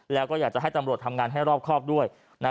แล้วก็อยากจะให้ตำรวจทำงานให้รอบครอบด้วย